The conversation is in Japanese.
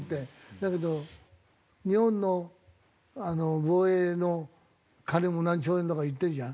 だけど日本の防衛の金も何兆円とか言ってるじゃん。